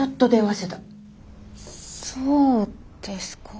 そうですか。